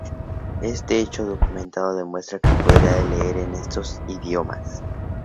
Este hecho documentado demuestra que podía leer en esos idiomas.